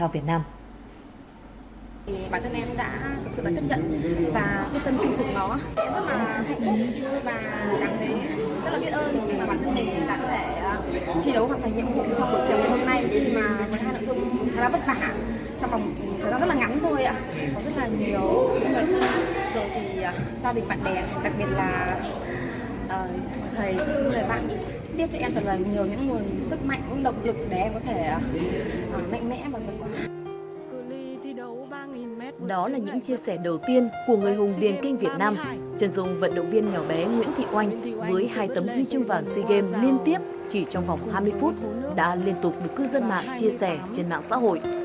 vận động viên nhỏ bé nguyễn thị oanh với hai tấm huy chương vàng sea games liên tiếp chỉ trong vòng hai mươi phút đã liên tục được cư dân mạng chia sẻ trên mạng xã hội